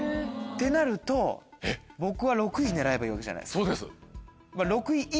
ってなると僕は６位狙えばいいわけじゃないですか。